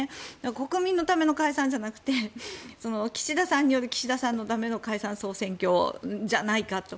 国民のための解散じゃなくて岸田さんによる岸田さんのための解散・総選挙じゃないかと。